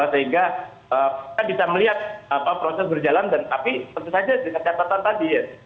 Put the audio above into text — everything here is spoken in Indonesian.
sehingga kita bisa melihat proses berjalan dan tapi tentu saja dikatakan tadi ya